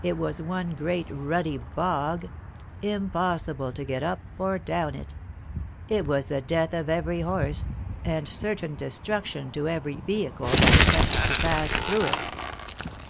it was one great rutty bog, impossible to get up or down it; it was the death of every horse, and certain destruction to every vehicle that attempted to pass through it.